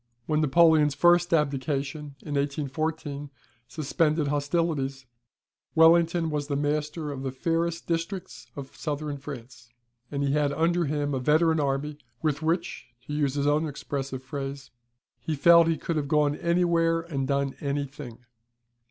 When Napoleon's first abdication, in 1814, suspended hostilities, Wellington was master of the fairest districts of Southern France; and had under him a veteran army, with which (to use his own expressive phrase) "he felt he could have gone anywhere and done anything."